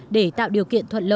để tạo điều kiện thuận lợi